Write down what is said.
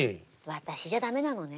私じゃ駄目なのね。